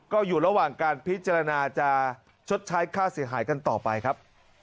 ก็อยู่ระหว่างการพิจารณาจะชดใช้ค่าเสียหายกันต่อไปครับ